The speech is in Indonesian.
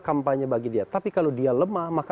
kampanye bagi dia tapi kalau dia lemah maka